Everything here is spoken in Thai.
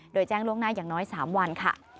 โดยแจ้งล่วงหน้าอย่างน้อย๓วันค่ะ